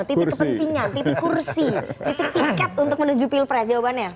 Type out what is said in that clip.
titik kepentingan titik kursi titik tiket untuk menuju pilpres jawabannya